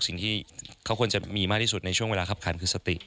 สิ่งที่เขาควรจะมีมากที่สุดในช่วงเวลาคับคันคือสติ